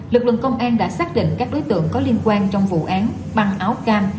lực lượng công an đã xác định các đối tượng có liên quan trong vụ án băng áo cam